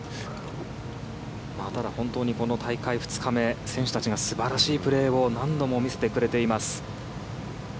ただ、本当にこの大会２日目選手たちが素晴らしいプレーを何度も見せてくれています。